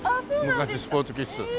昔スポーツ・キッス。